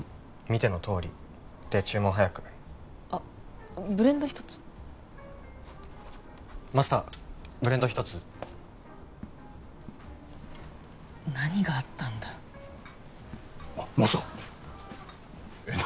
見てのとおりで注文早くあブレンド一つマスターブレンド一つ何があったんだあっ